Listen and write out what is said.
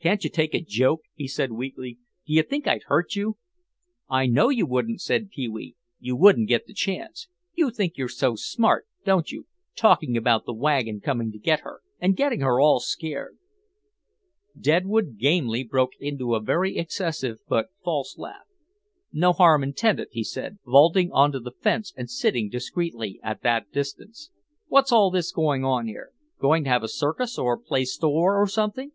"Can't you take a joke?" he said weakly. "Do you think I'd hurt you?" "I know you wouldn't," said Pee wee; "you wouldn't get the chance. You think you're smart, don't you, talking about the wagon coming to get her and getting her all scared." [Illustration: MR. GAMELY DECIDES TO KEEP AWAY FROM PEE WEE'S BRUSH.] Deadwood Gamely broke into a very excessive but false laugh. "No harm intended," he said, vaulting on to the fence and sitting discreetly at that distance. "What's all this going on here? Going to have a circus or play store or something?"